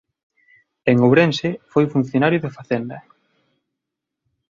En Ourense foi funcionario de Facenda.